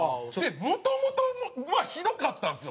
もともとはひどかったんですよ。